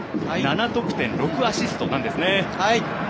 ７得点６アシストなんですね。